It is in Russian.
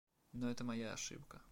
Но это моя ошибка.